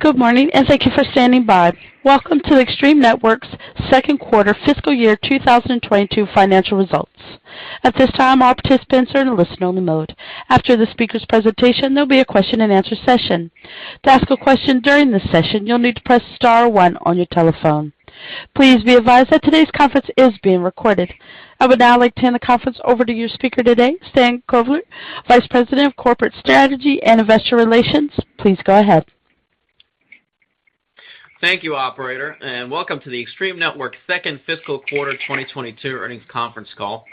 Good morning, and thank you for standing by. Welcome to Extreme Networks second quarter fiscal year 2022 financial results. At this time, all participants are in listen only mode. After the speaker's presentation, there'll be a question-and-answer session. To ask a question during this session, you'll need to press star one on your telephone. Please be advised that today's conference is being recorded. I would now like to hand the conference over to your speaker today, Stan Kovler, Vice President of Corporate Strategy and Investor Relations. Please go ahead. Thank you, operator, and welcome to the Extreme Networks second fiscal quarter 2022 earnings conference call.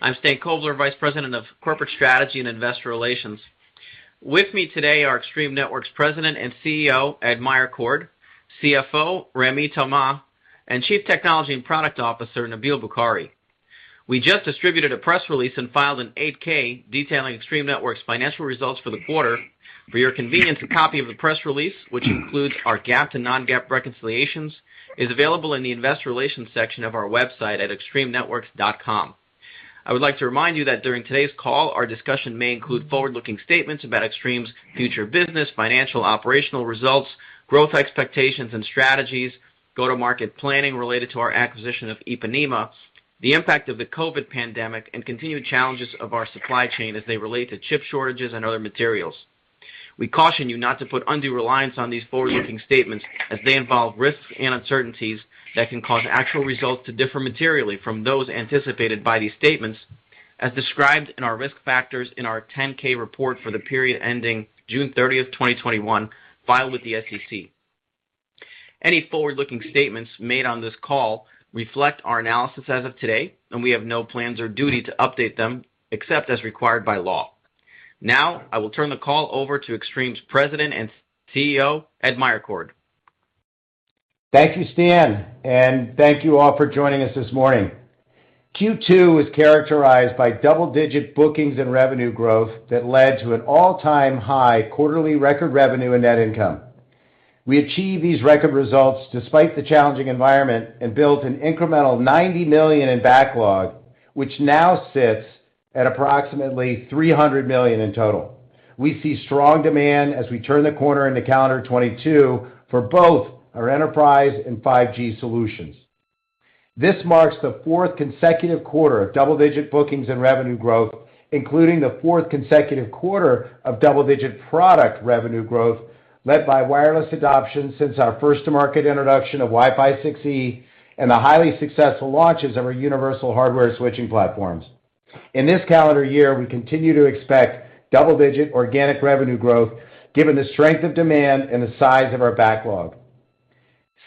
I'm Stan Kovler, Vice President of Corporate Strategy and Investor Relations. With me today are Extreme Networks President and CEO, Ed Meyercord, CFO, Rémi Thomas, and Chief Technology and Product Officer, Nabil Bukhari. We just distributed a press release and filed an 8-K detailing Extreme Networks' financial results for the quarter. For your convenience, a copy of the press release, which includes our GAAP to non-GAAP reconciliations, is available in the investor relations section of our website at extremenetworks.com. I would like to remind you that during today's call, our discussion may include forward-looking statements about Extreme's future business, financial, operational results, growth expectations and strategies, go-to-market planning related to our acquisition of Ipanema, the impact of the COVID pandemic, and continued challenges of our supply chain as they relate to chip shortages and other materials. We caution you not to put undue reliance on these forward-looking statements as they involve risks and uncertainties that can cause actual results to differ materially from those anticipated by these statements, as described in our risk factors in our 10-K report for the period ending June 30, 2021, filed with the SEC. Any forward-looking statements made on this call reflect our analysis as of today, and we have no plans or duty to update them except as required by law. Now I will turn the call over to Extreme's President and CEO, Ed Meyercord. Thank you, Stan, and thank you all for joining us this morning. Q2 was characterized by double-digit bookings and revenue growth that led to an all-time high quarterly record revenue and net income. We achieved these record results despite the challenging environment and built an incremental $90 million in backlog, which now sits at approximately $300 million in total. We see strong demand as we turn the corner into calendar 2022 for both our enterprise and 5G solutions. This marks the fourth consecutive quarter of double-digit bookings and revenue growth, including the fourth consecutive quarter of double-digit product revenue growth led by wireless adoption since our first to market introduction of Wi-Fi 6E and the highly successful launches of our universal hardware switching platforms. In this calendar year, we continue to expect double-digit organic revenue growth given the strength of demand and the size of our backlog.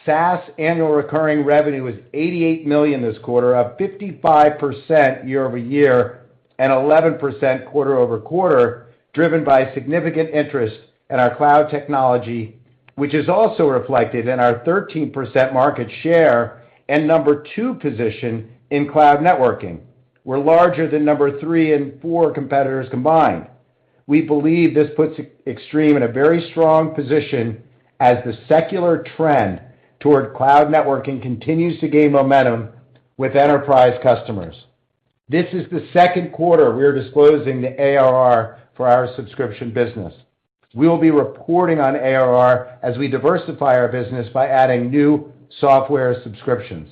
SaaS annual recurring revenue was $88 million this quarter, up 55% year-over-year and 11% quarter-over-quarter, driven by significant interest in our cloud technology, which is also reflected in our 13% market share and number two position in Cloud Networking. We're larger than number three and four competitors combined. We believe this puts Extreme in a very strong position as the secular trend toward Cloud Networking continues to gain momentum with enterprise customers. This is the second quarter we are disclosing the ARR for our subscription business. We will be reporting on ARR as we diversify our business by adding new software subscriptions.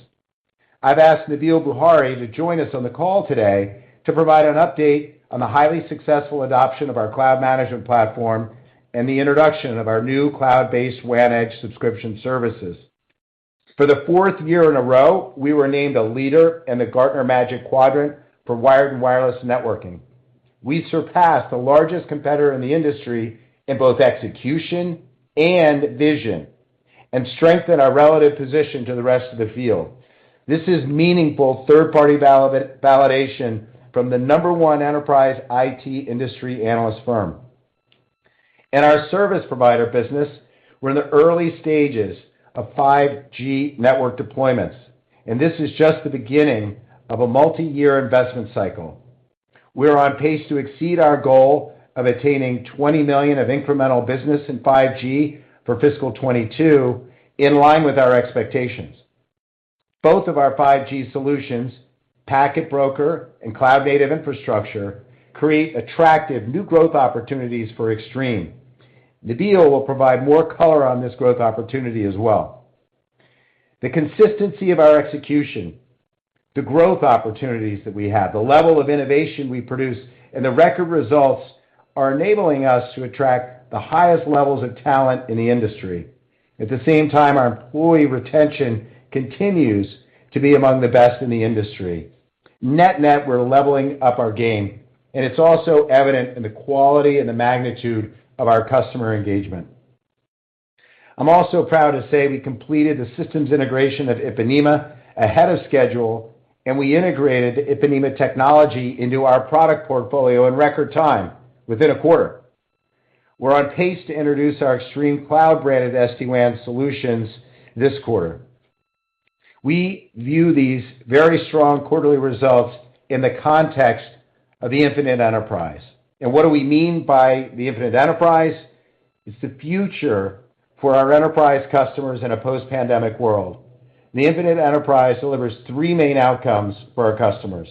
I've asked Nabil Bukhari to join us on the call today to provide an update on the highly successful adoption of our cloud management platform and the introduction of our new cloud-based WAN edge subscription services. For the fourth year in a row, we were named a leader in the Gartner Magic Quadrant for wired and wireless networking. We surpassed the largest competitor in the industry in both execution and vision and strengthened our relative position to the rest of the field. This is meaningful third-party validation from the number one enterprise IT industry analyst firm. In our Service Provider business, we're in the early stages of 5G network deployments, and this is just the beginning of a multi-year investment cycle. We're on pace to exceed our goal of attaining $20 million of incremental business in 5G for fiscal 2022, in line with our expectations. Both of our 5G solutions, Packet Broker and Cloud Native Infrastructure, create attractive new growth opportunities for Extreme. Nabil will provide more color on this growth opportunity as well. The consistency of our execution, the growth opportunities that we have, the level of innovation we produce, and the record results are enabling us to attract the highest levels of talent in the industry. At the same time, our employee retention continues to be among the best in the industry. Net net, we're leveling up our game, and it's also evident in the quality and the magnitude of our customer engagement. I'm also proud to say we completed the systems integration of Ipanema ahead of schedule, and we integrated Ipanema technology into our product portfolio in record time within a quarter. We're on pace to introduce our ExtremeCloud branded SD-WAN solutions this quarter. We view these very strong quarterly results in the context of the Infinite Enterprise. What do we mean by the Infinite Enterprise? It's the future for our enterprise customers in a post-pandemic world. The Infinite Enterprise delivers three main outcomes for our customers.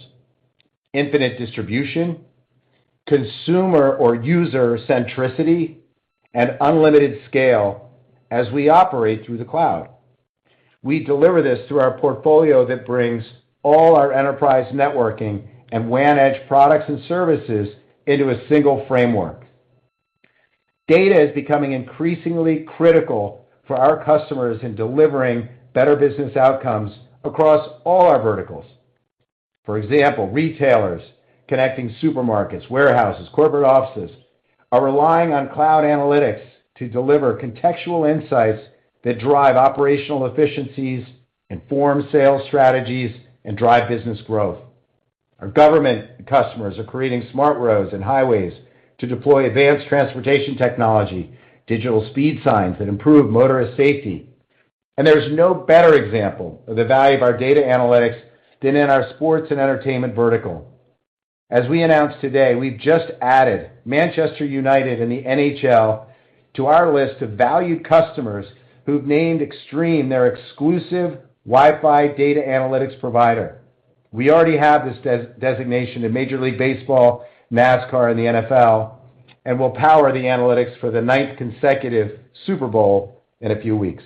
Infinite distribution, consumer or user centricity, and unlimited scale as we operate through the cloud. We deliver this through our portfolio that brings all our enterprise networking and WAN edge products and services into a single framework. Data is becoming increasingly critical for our customers in delivering better business outcomes across all our verticals. For example, retailers connecting supermarkets, warehouses, corporate offices are relying on cloud analytics to deliver contextual insights that drive operational efficiencies, inform sales strategies, and drive business growth. Our government customers are creating smart roads and highways to deploy advanced transportation technology, digital speed signs that improve motorist safety. There's no better example of the value of our data analytics than in our sports and entertainment vertical. As we announced today, we've just added Manchester United and the NHL to our list of valued customers who've named Extreme their exclusive Wi-Fi data analytics provider. We already have this designation in Major League Baseball, NASCAR, and the NFL, and we'll power the analytics for the ninth consecutive Super Bowl in a few weeks.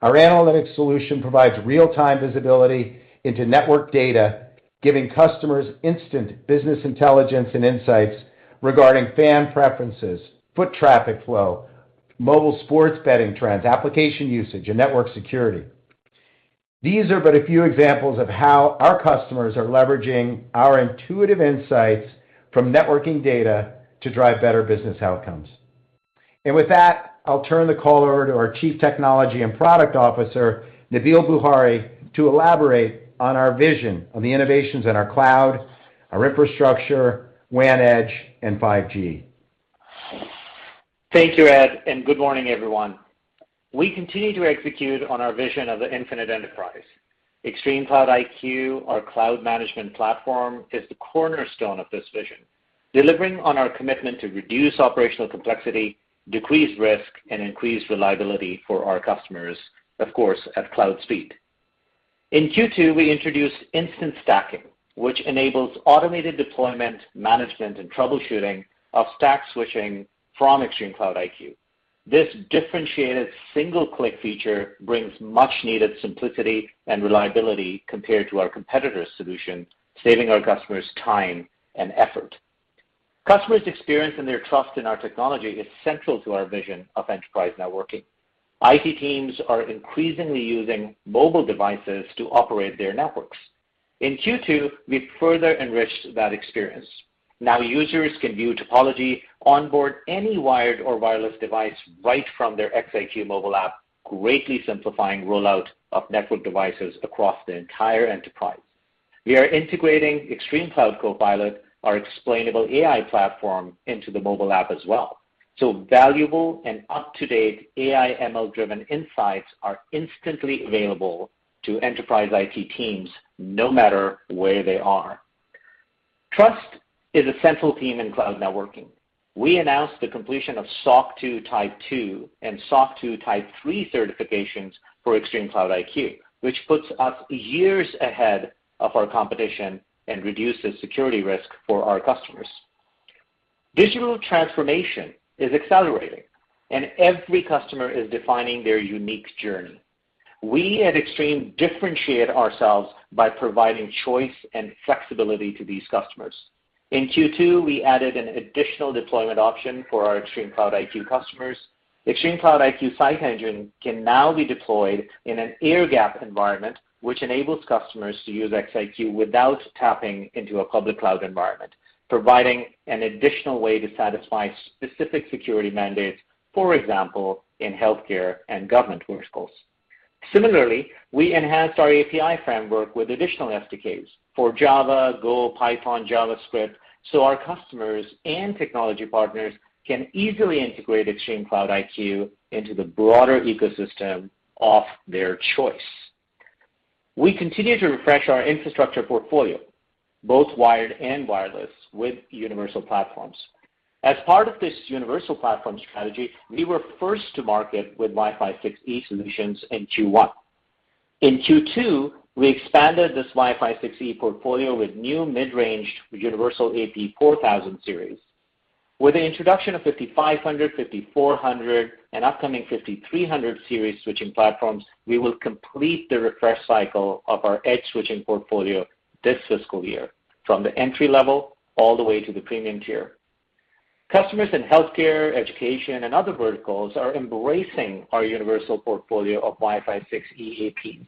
Our analytics solution provides real-time visibility into network data, giving customers instant business intelligence and insights regarding fan preferences, foot traffic flow, mobile sports betting trends, application usage, and network security. These are but a few examples of how our customers are leveraging our intuitive insights from networking data to drive better business outcomes. With that, I'll turn the call over to our Chief Technology and Product Officer, Nabil Bukhari, to elaborate on our vision on the innovations in our cloud, our infrastructure, WAN edge, and 5G. Thank you, Ed, and good morning, everyone. We continue to execute on our vision of the Infinite Enterprise. ExtremeCloud IQ, our cloud management platform, is the cornerstone of this vision, delivering on our commitment to reduce operational complexity, decrease risk, and increase reliability for our customers, of course, at cloud speed. In Q2, we introduced instance stacking, which enables automated deployment, management, and troubleshooting of stack switching from ExtremeCloud IQ. This differentiated single-click feature brings much-needed simplicity and reliability compared to our competitors' solutions, saving our customers time and effort. Customers' experience and their trust in our technology is central to our vision of enterprise networking. IT teams are increasingly using mobile devices to operate their networks. In Q2, we further enriched that experience. Now users can view topology, onboard any wired or wireless device right from their XIQ mobile app, greatly simplifying rollout of network devices across the entire enterprise. We are integrating ExtremeCloud IQ CoPilot, our explainable AI platform, into the mobile app as well. Valuable and up-to-date AI ML-driven insights are instantly available to enterprise IT teams no matter where they are. Trust is a central theme in Cloud Networking. We announced the completion of SOC 2 Type 2 and SOC 2 Type 3 certifications for ExtremeCloud IQ, which puts us years ahead of our competition and reduces security risk for our customers. Digital transformation is accelerating, and every customer is defining their unique journey. We at Extreme differentiate ourselves by providing choice and flexibility to these customers. In Q2, we added an additional deployment option for our ExtremeCloud IQ customers. ExtremeCloud IQ Site Engine can now be deployed in an air-gapped environment, which enables customers to use XIQ without tapping into a public cloud environment, providing an additional way to satisfy specific security mandates, for example, in healthcare and government work schools. Similarly, we enhanced our API framework with additional SDKs for Java, Go, Python, JavaScript, so our customers and technology partners can easily integrate ExtremeCloud IQ into the broader ecosystem of their choice. We continue to refresh our infrastructure portfolio, both wired and wireless, with universal platforms. As part of this universal platform strategy, we were first to market with Wi-Fi 6E solutions in Q1. In Q2, we expanded this Wi-Fi 6E portfolio with new mid-range universal AP 4000 Series. With the introduction of 5520, 5420, and upcoming 5320 Series switching platforms, we will complete the refresh cycle of our edge switching portfolio this fiscal year, from the entry level all the way to the premium tier. Customers in healthcare, education, and other verticals are embracing our universal portfolio of Wi-Fi 6E APs.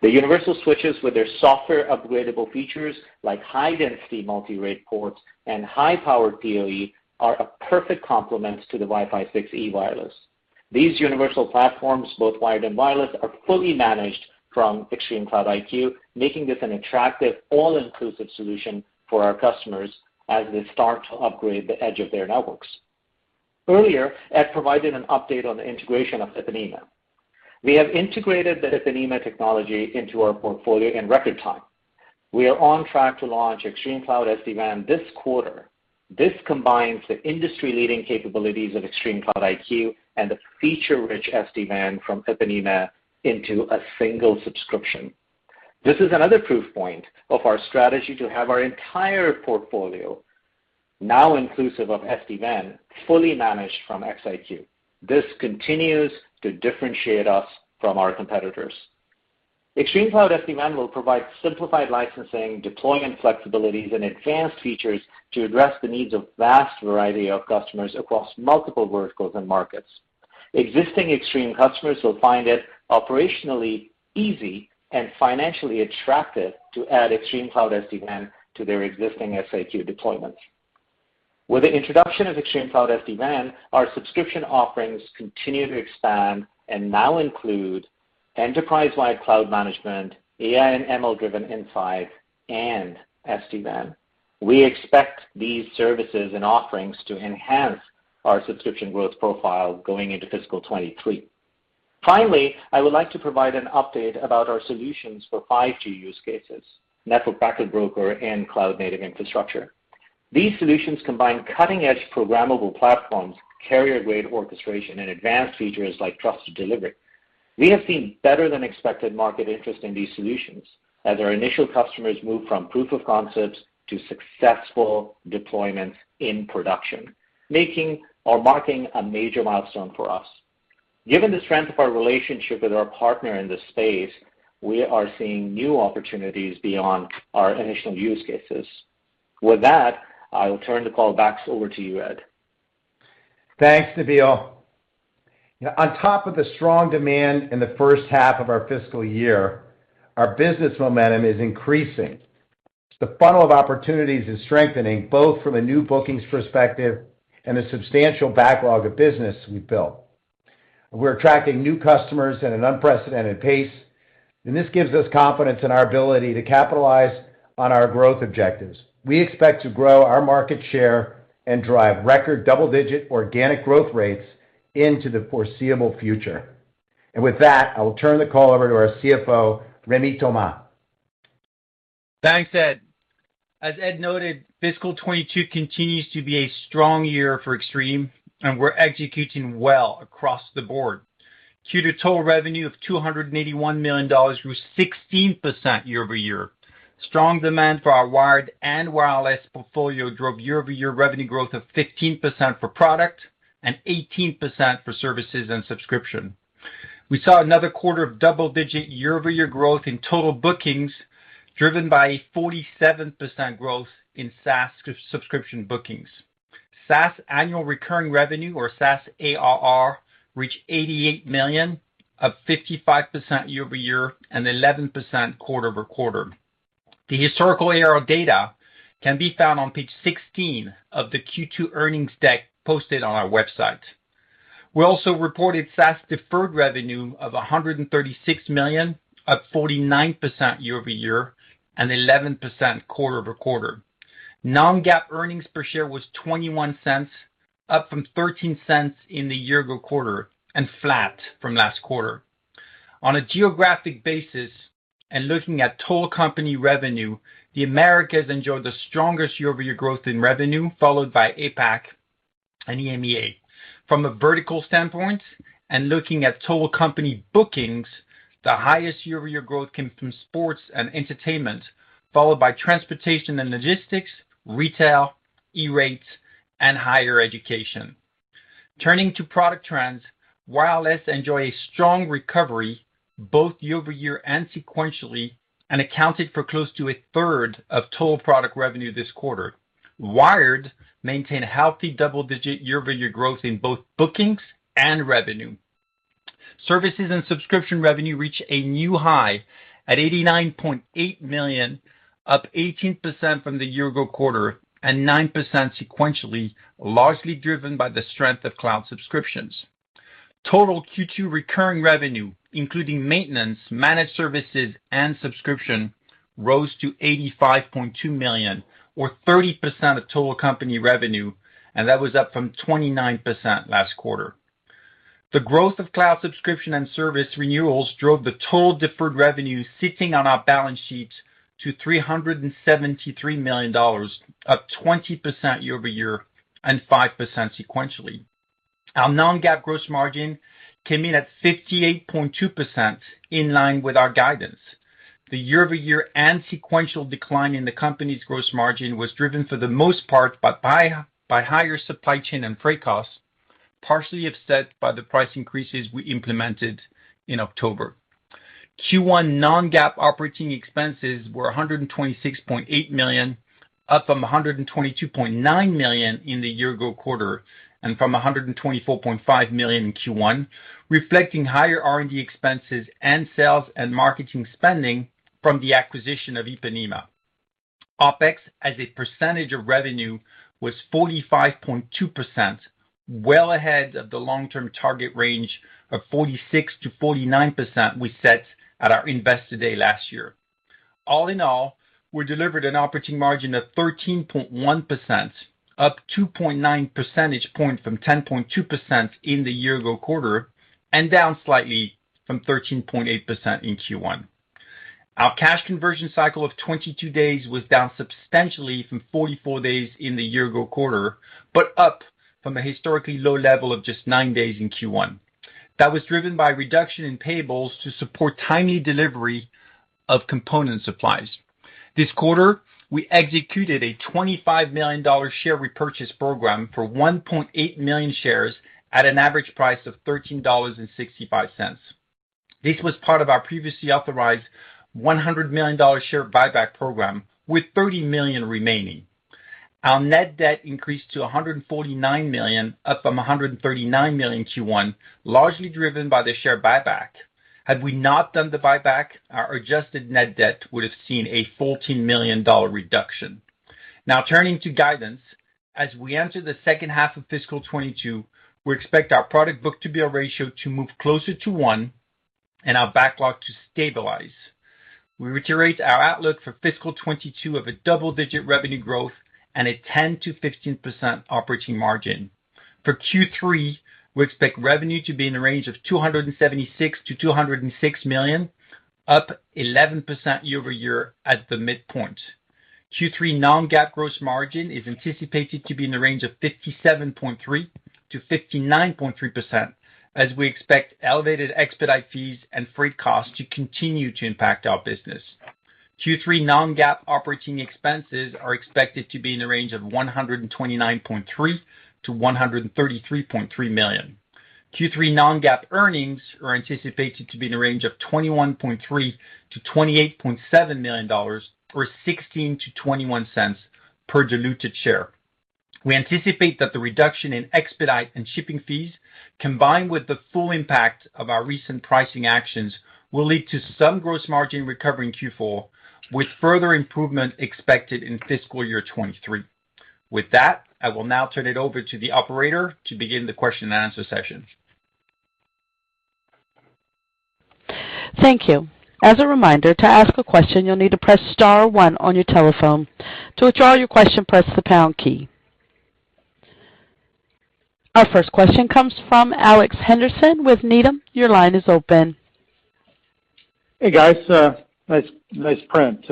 The universal switches with their software-upgradable features, like high-density multi-rate ports and high-powered PoE, are a perfect complement to the Wi-Fi 6E wireless. These universal platforms, both wired and wireless, are fully managed from ExtremeCloud IQ, making this an attractive, all-inclusive solution for our customers as they start to upgrade the edge of their networks. Earlier, Ed provided an update on the integration of Ipanema. We have integrated the Ipanema technology into our portfolio in record time. We are on track to launch ExtremeCloud SD-WAN this quarter. This combines the industry-leading capabilities of ExtremeCloud IQ and the feature-rich SD-WAN from Ipanema into a single subscription. This is another proof point of our strategy to have our entire portfolio, now inclusive of SD-WAN, fully managed from XIQ. This continues to differentiate us from our competitors. ExtremeCloud SD-WAN will provide simplified licensing, deployment flexibilities, and advanced features to address the needs of vast variety of customers across multiple verticals and markets. Existing Extreme customers will find it operationally easy and financially attractive to add ExtremeCloud SD-WAN to their existing XIQ deployments. With the introduction of ExtremeCloud SD-WAN, our subscription offerings continue to expand and now include enterprise-wide cloud management, AI and ML-driven insights, and SD-WAN. We expect these services and offerings to enhance our subscription growth profile going into fiscal 2023. Finally, I would like to provide an update about our solutions for 5G use cases, Packet Broker, and Cloud Native Infrastructure. These solutions combine cutting-edge programmable platforms, carrier-grade orchestration, and advanced features like trusted delivery. We have seen better than expected market interest in these solutions as our initial customers move from proofs of concept to successful deployments in production, marking a major milestone for us. Given the strength of our relationship with our partner in this space, we are seeing new opportunities beyond our initial use cases. With that, I will turn the call back over to you, Ed. Thanks, Nabil. On top of the strong demand in the first half of our fiscal year, our business momentum is increasing. The funnel of opportunities is strengthening both from a new bookings perspective and a substantial backlog of business we've built. We're attracting new customers at an unprecedented pace, and this gives us confidence in our ability to capitalize on our growth objectives. We expect to grow our market share and drive record double-digit organic growth rates into the foreseeable future. With that, I will turn the call over to our CFO, Rémi Thomas. Thanks, Ed. As Ed noted, fiscal 2022 continues to be a strong year for Extreme, and we're executing well across the board. Q2 total revenue of $281 million grew 16% year over year. Strong demand for our wired and wireless portfolio drove year-over-year revenue growth of 15% for product and 18% for services and subscription. We saw another quarter of double-digit year-over-year growth in total bookings, driven by a 47% growth in SaaS subscription bookings. SaaS annual recurring revenue or SaaS ARR reached $88 million, up 55% year over year and 11% quarter over quarter. The historical ARR data can be found on page 16 of the Q2 earnings deck posted on our website. We also reported SaaS deferred revenue of $136 million, up 49% year-over-year and 11% quarter-over-quarter. Non-GAAP earnings per share was $0.21, up from $0.13 in the year-ago quarter and flat from last quarter. On a geographic basis and looking at total company revenue, the Americas enjoyed the strongest year-over-year growth in revenue, followed by APAC and EMEA. From a vertical standpoint and looking at total company bookings, the highest year-over-year growth came from sports and entertainment, followed by transportation and logistics, retail, E-Rate, and higher education. Turning to product trends, wireless enjoyed a strong recovery both year-over-year and sequentially, and accounted for close to a third of total product revenue this quarter. Wired maintained a healthy double-digit year-over-year growth in both bookings and revenue. Services and subscription revenue reached a new high at $89.8 million, up 18% from the year-ago quarter and 9% sequentially, largely driven by the strength of cloud subscriptions. Total Q2 recurring revenue, including maintenance, managed services, and subscription, rose to $85.2 million, or 30% of total company revenue, and that was up from 29% last quarter. The growth of cloud subscription and service renewals drove the total deferred revenue sitting on our balance sheets to $373 million, up 20% year-over-year and 5% sequentially. Our non-GAAP gross margin came in at 58.2% in line with our guidance. The year-over-year and sequential decline in the company's gross margin was driven for the most part by higher supply chain and freight costs, partially offset by the price increases we implemented in October. Q1 non-GAAP operating expenses were $126.8 million, up from $122.9 million in the year-ago quarter, and from $124.5 million in Q1, reflecting higher R&D expenses and sales and marketing spending from the acquisition of Ipanema. OpEx as a percentage of revenue was 45.2%, well ahead of the long-term target range of 46%-49% we set at our Investor Day last year. All in all, we delivered an operating margin of 13.1%, up 2.9 percentage points from 10.2% in the year-ago quarter, and down slightly from 13.8% in Q1. Our cash conversion cycle of 22 days was down substantially from 44 days in the year-ago quarter, but up from a historically low level of just nine days in Q1. That was driven by reduction in payables to support timely delivery of component supplies. This quarter, we executed a $25 million share repurchase program for 1.8 million shares at an average price of $13.65. This was part of our previously authorized $100 million share buyback program with $30 million remaining. Our net debt increased to $149 million, up from $139 million in Q1, largely driven by the share buyback. Had we not done the buyback, our adjusted net debt would have seen a $14 million reduction. Now turning to guidance. As we enter the second half of fiscal 2022, we expect our product book-to-bill ratio to move closer to one and our backlog to stabilize. We reiterate our outlook for fiscal 2022 of double-digit revenue growth and a 10%-15% operating margin. For Q3, we expect revenue to be in the range of $276 million-$296 million, up 11% year-over-year at the midpoint. Q3 non-GAAP gross margin is anticipated to be in the range of 57.3%-59.3%, as we expect elevated expedite fees and freight costs to continue to impact our business. Q3 non-GAAP operating expenses are expected to be in the range of $129.3 million-$133.3 million. Q3 non-GAAP earnings are anticipated to be in the range of $21.3 million-$28.7 million, or $0.16-$0.21 per diluted share. We anticipate that the reduction in expedite and shipping fees, combined with the full impact of our recent pricing actions, will lead to some gross margin recovery in Q4, with further improvement expected in fiscal year 2023. With that, I will now turn it over to the operator to begin the question-and-answer session. Thank you. As a reminder, to ask a question, you'll need to press star one on your telephone. To withdraw your question, press the pound key. Our first question comes from Alex Henderson with Needham. Your line is open. Hey, guys. Nice print.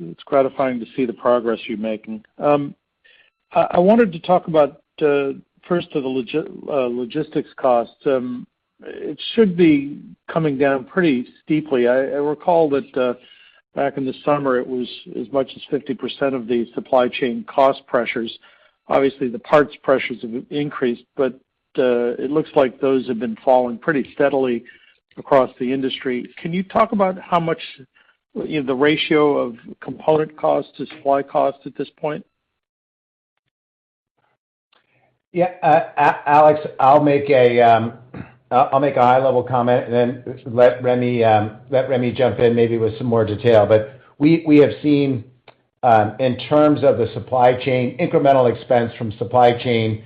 It's gratifying to see the progress you're making. I wanted to talk about first to the logistics costs. It should be coming down pretty steeply. I recall that back in the summer, it was as much as 50% of the supply chain cost pressures. Obviously, the parts pressures have increased, but it looks like those have been falling pretty steadily across the industry. Can you talk about how much, you know, the ratio of component cost to supply cost at this point? Alex, I'll make a high-level comment and then let Rémi jump in maybe with some more detail. We have seen in terms of the supply chain, incremental expense from supply chain.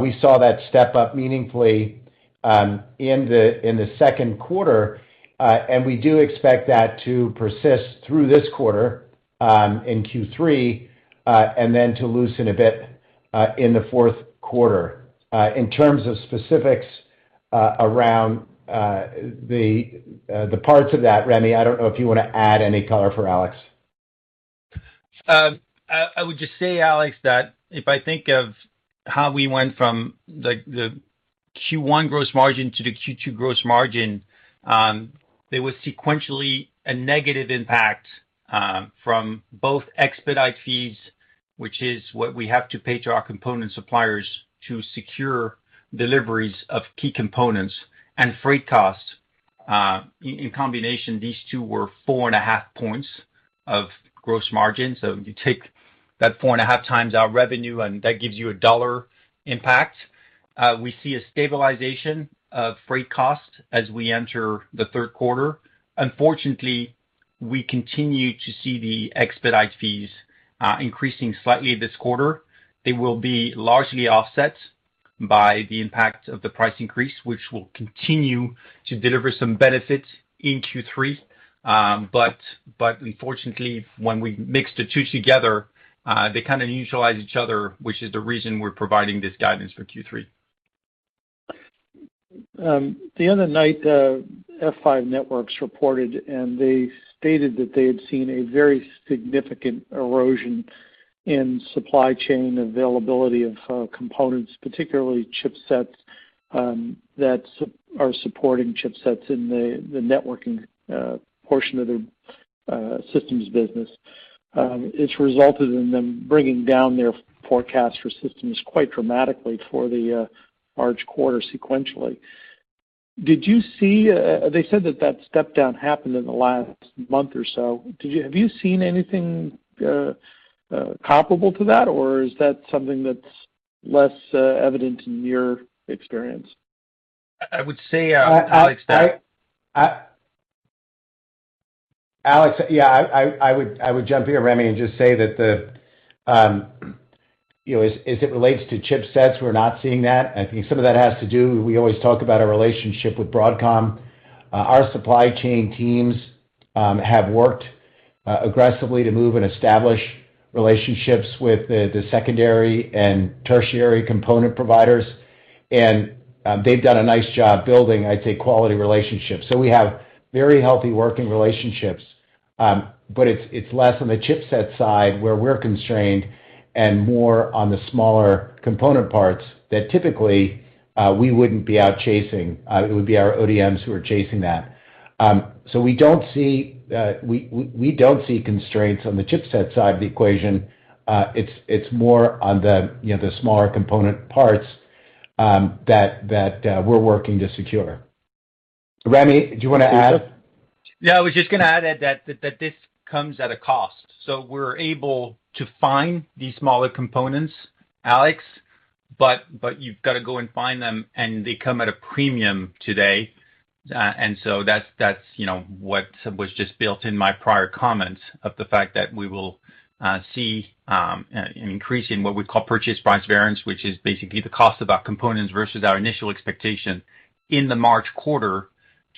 We saw that step up meaningfully in the second quarter, and we do expect that to persist through this quarter in Q3, and then to loosen a bit in the fourth quarter. In terms of specifics around the parts of that, Rémi, I don't know if you wanna add any color for Alex. I would just say, Alex, that if I think of how we went from the Q1 gross margin to the Q2 gross margin, there was sequentially a negative impact from both expedite fees, which is what we have to pay to our component suppliers to secure deliveries of key components and freight costs. In combination, these two were 4.5 points of gross margin. So you take that 4.5x our revenue, and that gives you a dollar impact. We see a stabilization of freight costs as we enter the third quarter. Unfortunately, we continue to see the expedite fees increasing slightly this quarter. They will be largely offset by the impact of the price increase, which will continue to deliver some benefits in Q3. Unfortunately, when we mix the two together, they kinda neutralize each other, which is the reason we're providing this guidance for Q3. The other night, F5 reported, and they stated that they had seen a very significant erosion in supply chain availability of components, particularly chipsets, that are supporting chipsets in the networking portion of their systems business. It's resulted in them bringing down their forecast for systems quite dramatically for the large quarter sequentially. Did you see, they said that step down happened in the last month or so. Have you seen anything comparable to that, or is that something that's less evident in your experience? I would say, Alex, that. Alex, yeah, I would jump in, Rémi, and just say that you know, as it relates to chipsets, we're not seeing that. I think some of that has to do. We always talk about our relationship with Broadcom. Our supply chain teams have worked aggressively to move and establish relationships with the secondary and tertiary component providers. They've done a nice job building, I'd say, quality relationships. We have very healthy working relationships, but it's less on the chipset side where we're constrained and more on the smaller component parts that typically we wouldn't be out chasing. It would be our ODMs who are chasing that. We don't see constraints on the chipset side of the equation. It's more on the, you know, the smaller component parts that we're working to secure. Rémi, do you wanna add? Yeah, I was just gonna add that this comes at a cost. We're able to find these smaller components, Alex, but you've gotta go and find them, and they come at a premium today. That's, you know, what was just built in my prior comments of the fact that we will see an increase in what we call purchase price variance, which is basically the cost of our components versus our initial expectation in the March quarter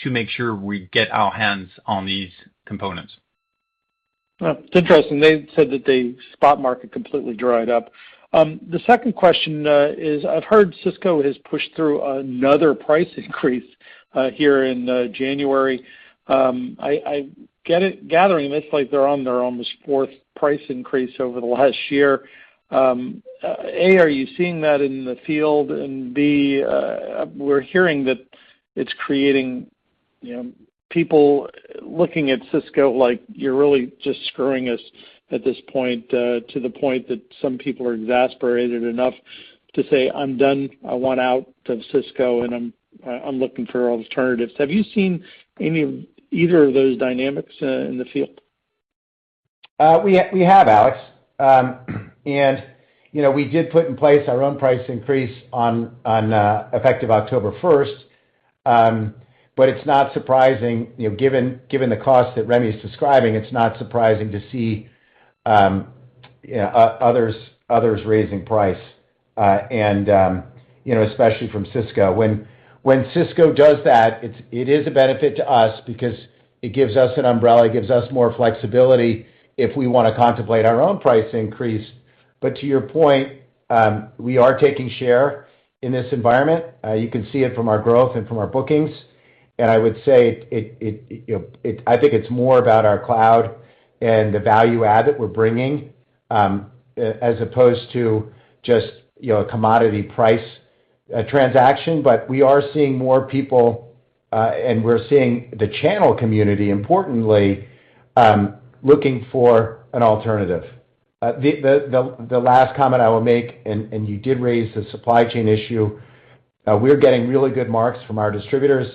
to make sure we get our hands on these components. Well, it's interesting. They said that the spot market completely dried up. The second question is I've heard Cisco has pushed through another price increase here in January. I get it, like they're on their almost fourth price increase over the last year. A, are you seeing that in the field? B, we're hearing that it's creating, you know, people looking at Cisco like, "You're really just screwing us at this point," to the point that some people are exasperated enough to say, "I'm done. I want out of Cisco, and I'm looking for alternatives." Have you seen any of either of those dynamics in the field? We have, Alex. You know, we did put in place our own price increase on effective October first. But it's not surprising, you know, given the cost that Rémi's describing, it's not surprising to see others raising price, and you know, especially from Cisco. When Cisco does that, it is a benefit to us because it gives us an umbrella, it gives us more flexibility if we wanna contemplate our own price increase. But to your point, we are taking share in this environment. You can see it from our growth and from our bookings. I would say, you know, I think it's more about our cloud and the value add that we're bringing, as opposed to just, you know, a commodity price transaction. We are seeing more people, and we're seeing the channel community, importantly, looking for an alternative. The last comment I will make, and you did raise the supply chain issue, we're getting really good marks from our distributors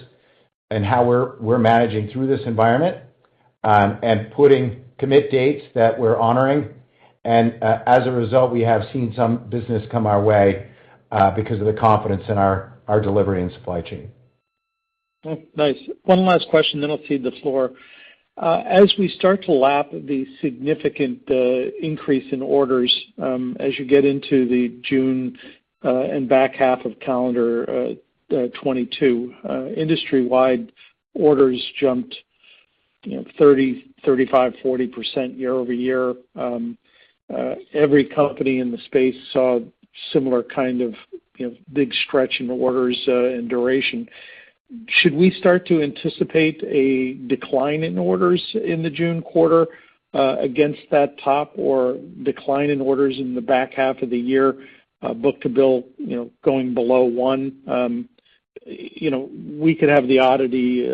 in how we're managing through this environment, and putting commit dates that we're honoring. As a result, we have seen some business come our way, because of the confidence in our delivery and supply chain. Oh, nice. One last question then I'll cede the floor. As we start to lap the significant increase in orders, as you get into the June and back half of calendar 2022, industry-wide orders jumped, you know, 30%-40% year over year. Every company in the space saw similar kind of, you know, big stretch in orders and duration. Should we start to anticipate a decline in orders in the June quarter against that top or decline in orders in the back half of the year, book-to-bill, you know, going below one? You know, we could have the oddity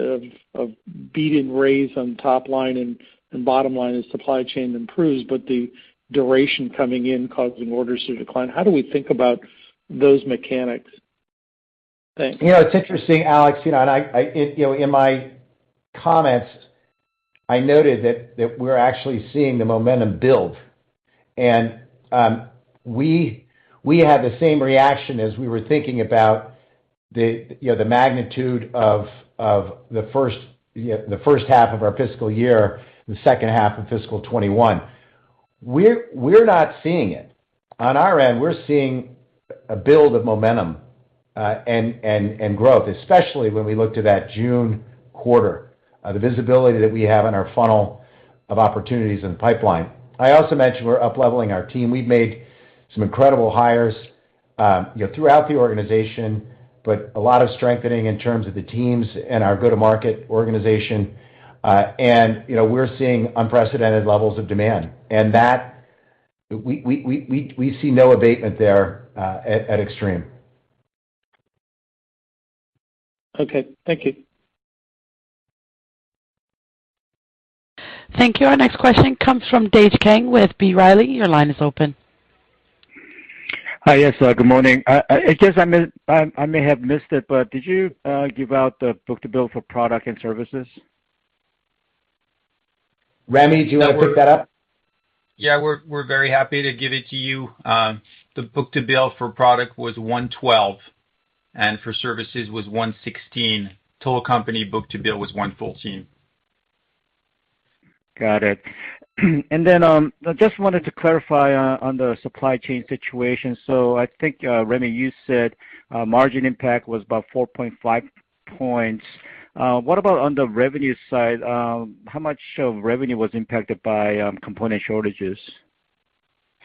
of beat and raise on top line and bottom line as supply chain improves, but the duration coming in causing orders to decline. How do we think about those mechanics? Thanks. You know, it's interesting, Alex. You know, in my comments, I noted that we're actually seeing the momentum build. We had the same reaction as we were thinking about the magnitude of the first half of our fiscal year, the second half of fiscal 2021. We're not seeing it. On our end, we're seeing a build of momentum and growth, especially when we look to that June quarter, the visibility that we have in our funnel of opportunities in the pipeline. I also mentioned we're upleveling our team. We've made some incredible hires, you know, throughout the organization, but a lot of strengthening in terms of the teams and our go-to-market organization. You know, we're seeing unprecedented levels of demand. We see no abatement there at Extreme. Okay. Thank you. Thank you. Our next question comes from Dave Kang with B. Riley. Your line is open. Hi. Yes, good morning. I guess I may have missed it, but did you give out the book-to-bill for product and services? Rémi, do you wanna put that up? Yeah, we're very happy to give it to you. The book-to-bill for product was 1.12, and for services was 1.16. Total company book-to-bill was 1.14. Got it. I just wanted to clarify on the supply chain situation. I think, Rémi, you said margin impact was about 4.5 points. What about on the revenue side? How much of revenue was impacted by component shortages?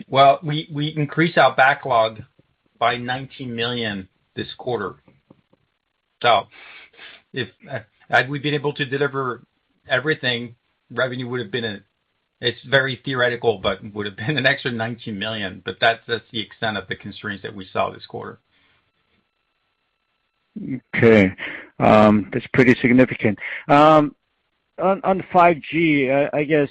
Well, we increased our backlog by $19 million this quarter. Had we been able to deliver everything, revenue would have been, it's very theoretical, but would have been an extra $19 million, but that's the extent of the constraints that we saw this quarter. Okay. That's pretty significant. On 5G, I guess,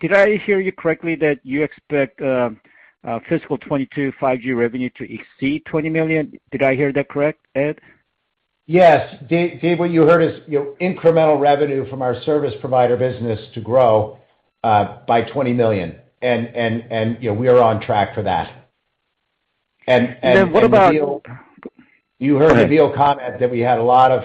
did I hear you correctly that you expect fiscal 2022 5G revenue to exceed $20 million? Did I hear that correct, Ed? Yes. Dave, what you heard is, you know, incremental revenue from our Service Provider business to grow by $20 million. You know, we are on track for that. Nabil- What about- You heard Nabil comment that we had a lot of.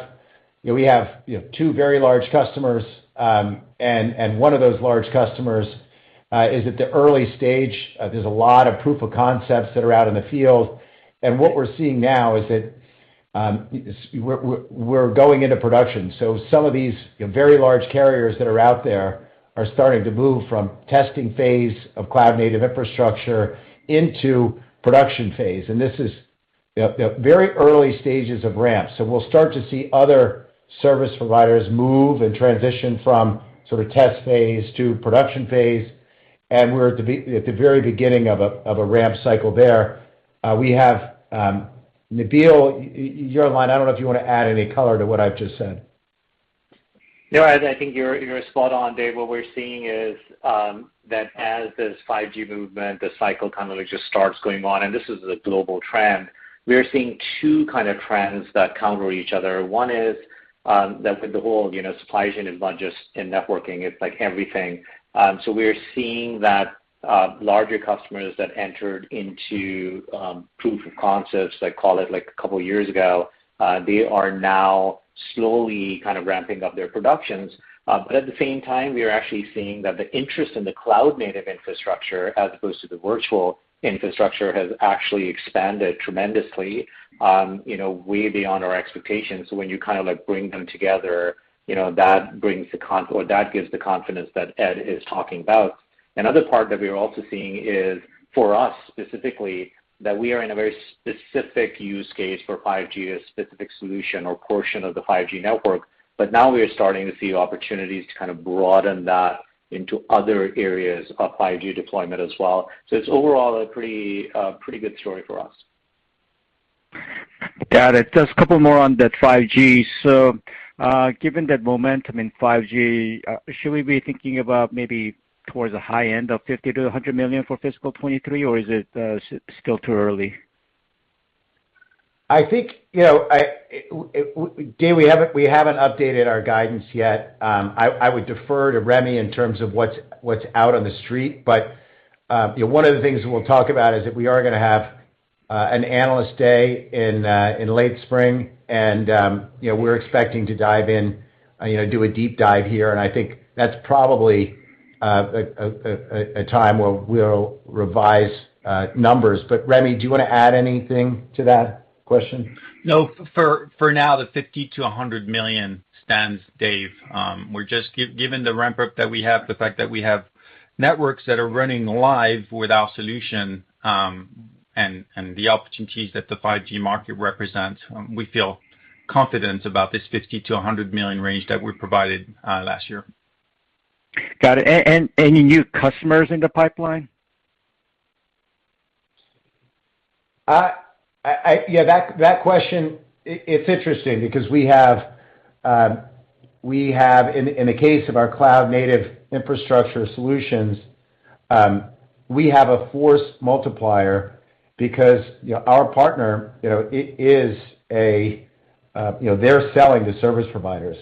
You know, we have, you know, two very large customers, and one of those large customers is at the early stage. There's a lot of proof of concepts that are out in the field. What we're seeing now is that we're going into production. Some of these, you know, very large carriers that are out there are starting to move from testing phase of Cloud Native Infrastructure into production phase, and this is very early stages of ramp. We'll start to see other service providers move and transition from sort of test phase to production phase, and we're at the very beginning of a ramp cycle there. We have. Nabil, your line, I don't know if you wanna add any color to what I've just said. No, Ed, I think you're spot on. Dave, what we're seeing is that as this 5G movement, the cycle kind of just starts going on, and this is a global trend. We are seeing two kind of trends that counter each other. One is that with the whole, you know, supply chain and budgets and networking, it's like everything. We are seeing that larger customers that entered into proof of concepts, let's call it like a couple of years ago, they are now slowly kind of ramping up their productions. At the same time, we are actually seeing that the interest in the Cloud Native Infrastructure as opposed to the virtual infrastructure has actually expanded tremendously, you know, way beyond our expectations. When you kinda like, bring them together, you know, that gives the confidence that Ed is talking about. Another part that we are also seeing is, for us specifically, that we are in a very specific use case for 5G, a specific solution or portion of the 5G network. Now we are starting to see opportunities to kind of broaden that into other areas of 5G deployment as well. It's overall a pretty good story for us. Got it. Just a couple more on that 5G. Given that momentum in 5G, should we be thinking about maybe towards the high end of $50 million-$100 million for fiscal 2023, or is it still too early? I think, you know, Dave, we haven't updated our guidance yet. I would defer to Rémi in terms of what's out on the street. You know, one of the things we'll talk about is that we are gonna have an Analyst Day in late spring, and you know, we're expecting to dive in, you know, do a deep dive here. I think that's probably a time where we'll revise numbers. Rémi, do you wanna add anything to that question? No, for now, the $50 million-$100 million stands, Dave. We're just, given the ramp-up that we have, the fact that we have networks that are running live with our solution, and the opportunities that the 5G market represents, we feel confident about this $50 million-$100 million range that we provided last year. Got it. Any new customers in the pipeline? Yeah, that question, it's interesting because we have in the case of our cloud native infrastructure solutions, we have a force multiplier because our partner, you know, they're selling to service providers.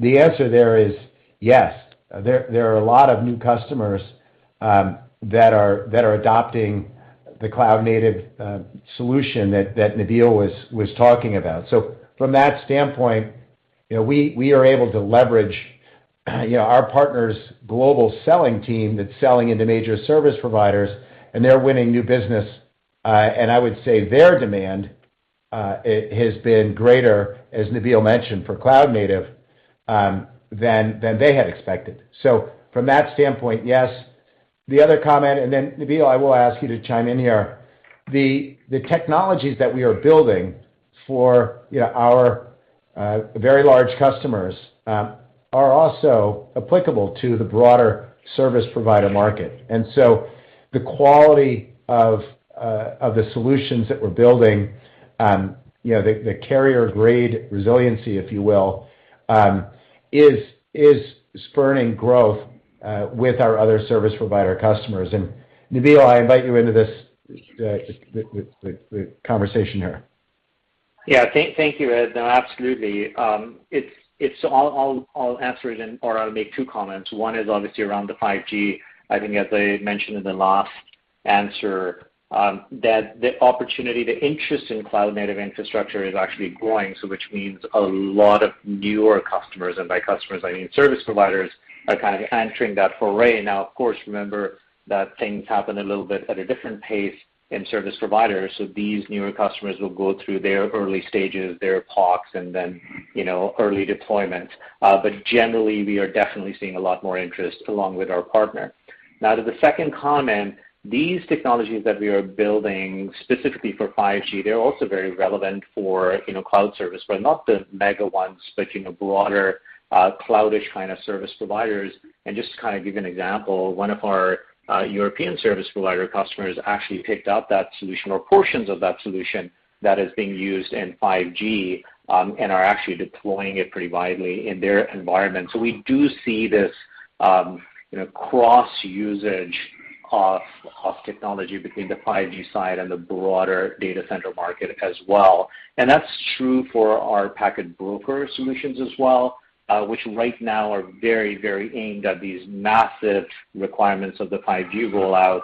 The answer there is yes, there are a lot of new customers that are adopting the cloud native solution that Nabil was talking about. From that standpoint, you know, we are able to leverage, you know, our partner's global selling team that's selling into major service providers, and they're winning new business. I would say their demand it has been greater, as Nabil mentioned, for cloud native than they had expected. From that standpoint, yes. The other comment, and then Nabil, I will ask you to chime in here. The technologies that we are building for, you know, our very large customers are also applicable to the broader Service Provider market. The quality of the solutions that we're building, you know, the carrier grade resiliency, if you will, is spurring growth with our other Service Provider customers. Nabil, I invite you into this conversation here. Yeah. Thank you, Ed. No, absolutely. It's all answered, or I'll make two comments. One is obviously around the 5G. I think as I mentioned in the last Answer that the opportunity, the interest in Cloud Native Infrastructure is actually growing, so which means a lot of newer customers, and by customers I mean service providers, are kind of entering that foray. Now, of course, remember that things happen a little bit at a different pace in service providers. These newer customers will go through their early stages, their POCs, and then, you know, early deployments. But generally, we are definitely seeing a lot more interest along with our partner. Now to the second comment, these technologies that we are building specifically for 5G, they're also very relevant for, you know, cloud service, but not the mega ones, but, you know, broader, cloudish kind of service providers. Just to kind of give you an example, one of our European Service Provider customers actually picked up that solution or portions of that solution that is being used in 5G and are actually deploying it pretty widely in their environment. We do see this, you know, cross-usage of technology between the 5G side and the broader data center market as well. That's true for our Packet Broker solutions as well, which right now are very, very aimed at these massive requirements of the 5G rollouts.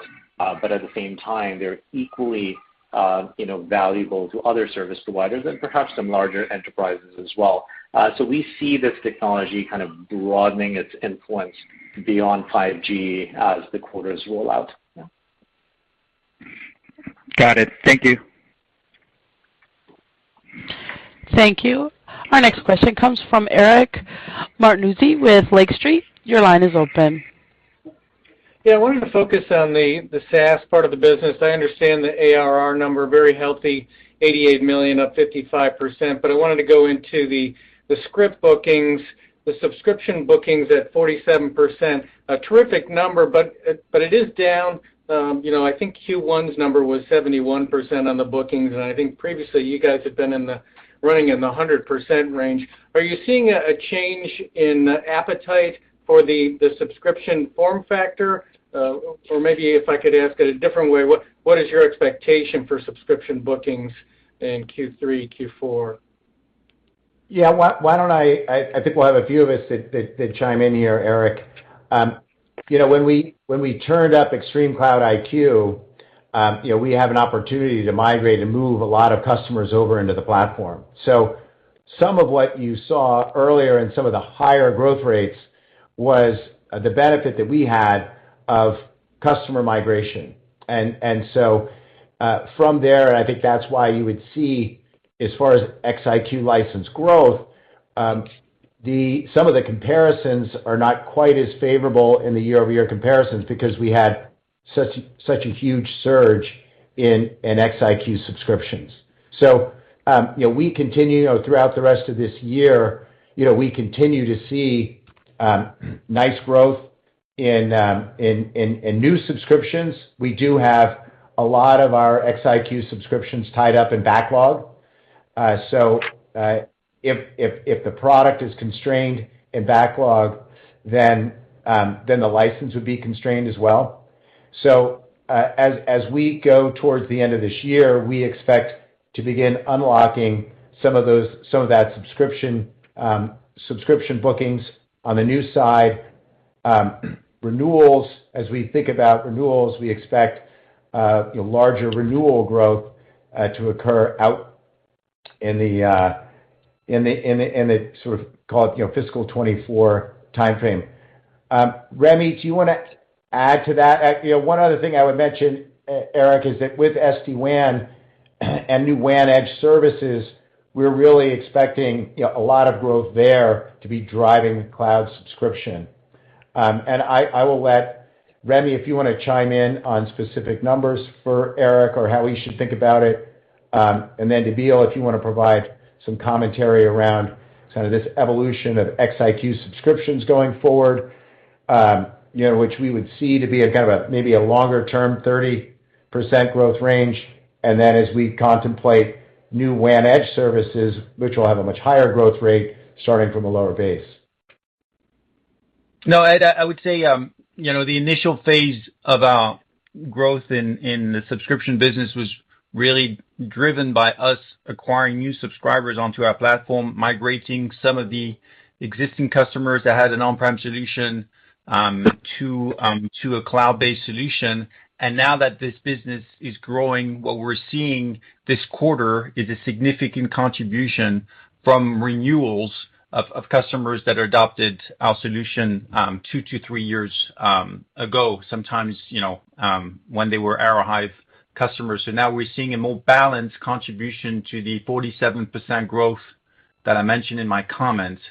But at the same time, they're equally, you know, valuable to other service providers and perhaps some larger enterprises as well. We see this technology kind of broadening its influence beyond 5G as the quarters roll out. Yeah. Got it. Thank you. Thank you. Our next question comes from Eric Martinuzzi with Lake Street. Your line is open. Yeah, I wanted to focus on the SaaS part of the business. I understand the ARR number, very healthy, $88 million up 55%. I wanted to go into the SaaS bookings, the subscription bookings at 47%. A terrific number, but it is down. You know, I think Q1's number was 71% on the bookings. I think previously you guys have been running in the 100% range. Are you seeing a change in appetite for the subscription form factor? Maybe if I could ask it a different way, what is your expectation for subscription bookings in Q3, Q4? Yeah. Why don't I. I think we'll have a few of us that chime in here, Eric. You know, when we turned up ExtremeCloud IQ, you know, we have an opportunity to migrate and move a lot of customers over into the platform. Some of what you saw earlier in some of the higher growth rates was the benefit that we had of customer migration. From there, I think that's why you would see, as far as XIQ license growth, some of the comparisons are not quite as favorable in the year-over-year comparisons because we had such a huge surge in XIQ subscriptions. You know, we continue throughout the rest of this year, you know, we continue to see nice growth in new subscriptions. We do have a lot of our XIQ subscriptions tied up in backlog. If the product is constrained in backlog, then the license would be constrained as well. As we go towards the end of this year, we expect to begin unlocking some of that subscription bookings on the new side. Renewals, as we think about renewals, we expect you know, larger renewal growth to occur out in the sort of call it, you know, fiscal 2024 timeframe. Rémi, do you wanna add to that? You know, one other thing I would mention, Eric, is that with SD-WAN and new WAN edge services, we're really expecting, you know, a lot of growth there to be driving cloud subscription. I will let Rémi, if you wanna chime in on specific numbers for Eric or how he should think about it. Nabil, if you wanna provide some commentary around kind of this evolution of XIQ subscriptions going forward, you know, which we would see to be a kind of a maybe a longer term 30% growth range. As we contemplate new WAN edge services, which will have a much higher growth rate starting from a lower base. No, Ed, I would say, you know, the initial phase of growth in the subscription business was really driven by us acquiring new subscribers onto our platform, migrating some of the existing customers that had an on-prem solution to a cloud-based solution. Now that this business is growing, what we're seeing this quarter is a significant contribution from renewals of customers that adopted our solution two to three years ago, sometimes, you know, when they were Aerohive customers. Now we're seeing a more balanced contribution to the 47% growth that I mentioned in my comments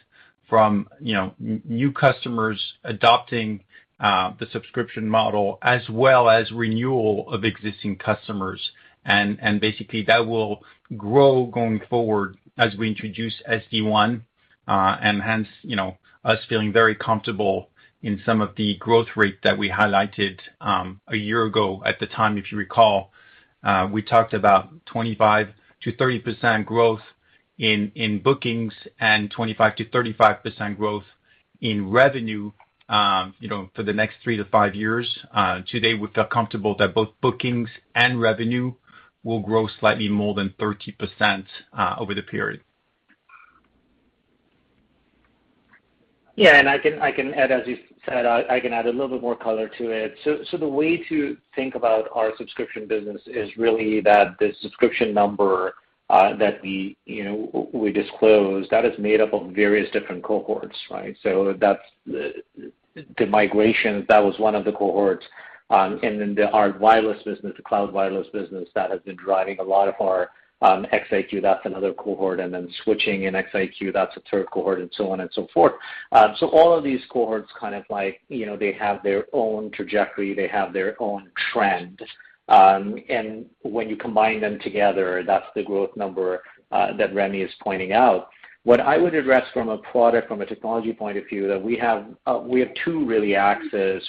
from, you know, new customers adopting the subscription model as well as renewal of existing customers. Basically that will grow going forward as we introduce SD-WAN, and hence, you know, us feeling very comfortable in some of the growth rate that we highlighted a year ago. At the time, if you recall, we talked about 25%-30% growth in bookings and 25%-35% growth in revenue, you know, for the next 3-5 years. Today, we feel comfortable that both bookings and revenue will grow slightly more than 30%, over the period. Yeah, I can add, as you said, a little bit more color to it. The way to think about our subscription business is really that the subscription number that we, you know, disclose, that is made up of various different cohorts, right? That's the migration, that was one of the cohorts. Then our wireless business, the cloud wireless business that has been driving a lot of our XIQ, that's another cohort. Then switching in XIQ, that's a third cohort, and so on and so forth. All of these cohorts kind of like, you know, they have their own trajectory, they have their own trend. When you combine them together, that's the growth number that Rémi is pointing out. What I would address from a product, from a technology point of view that we have, we have two really axes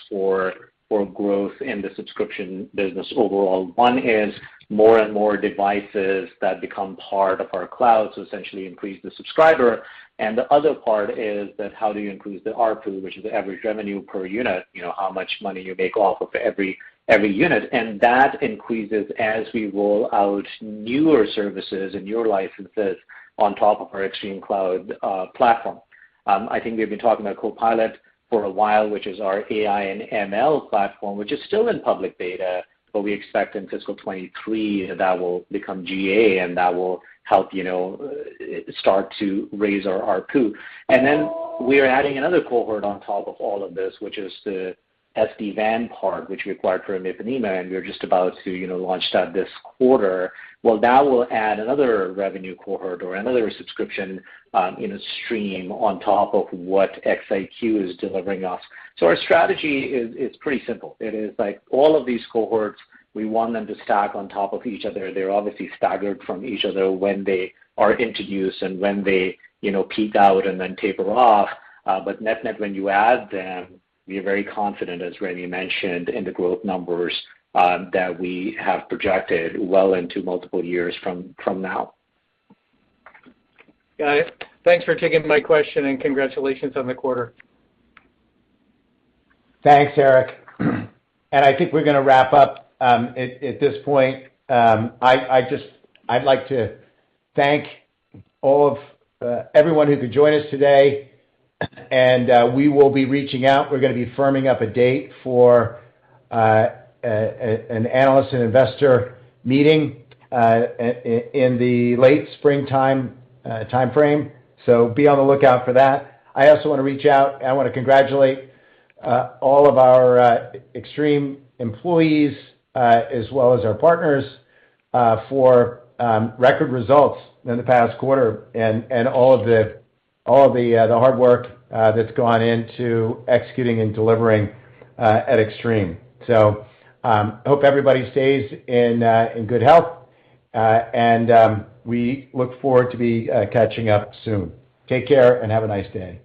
for growth in the subscription business overall. One is more and more devices that become part of our cloud, so essentially increase the subscriber. The other part is that how do you increase the ARPU, which is the average revenue per unit, you know, how much money you make off of every unit. That increases as we roll out newer services and newer licenses on top of our ExtremeCloud SD-WAN platform. I think we've been talking about CoPilot for a while, which is our AI and ML platform, which is still in public beta, but we expect in fiscal 2023 that will become GA and that will help, you know, start to raise our ARPU. We're adding another cohort on top of all of this, which is the SD-WAN part, which we acquired from Infovista, and we're just about to, you know, launch that this quarter. Well, that will add another revenue cohort or another subscription, you know, stream on top of what XIQ is delivering us. Our strategy is pretty simple. It is like all of these cohorts, we want them to stack on top of each other. They're obviously staggered from each other when they are introduced and when they, you know, peak out and then taper off. Net-net, when you add them, we are very confident, as Rémi mentioned, in the growth numbers, that we have projected well into multiple years from now. Got it. Thanks for taking my question, and congratulations on the quarter. Thanks, Eric. I think we're gonna wrap up at this point. I'd like to thank all of everyone who could join us today, and we will be reaching out. We're gonna be firming up a date for an analyst and investor meeting in the late springtime timeframe, so be on the lookout for that. I also wanna reach out and I wanna congratulate all of our Extreme employees as well as our partners for record results in the past quarter and all of the hard work that's gone into executing and delivering at Extreme. I hope everybody stays in good health, and we look forward to catching up soon. Take care and have a nice day.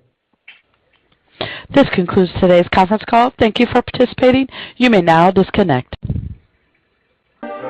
This concludes today's conference call. Thank you for participating. You may now disconnect.